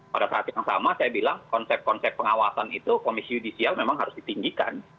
pada saat yang sama saya bilang konsep konsep pengawasan itu komisi judisial memang harus ditinggikan